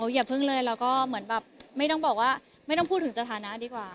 อย่าพึ่งเลยไม่ต้องพูดถึงสถานะดีกว่า